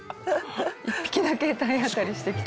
１匹だけ体当たりしてきた。